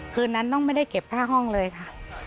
คืนนั้นน้องไม่ได้เก็บค่าห้องเลยค่ะ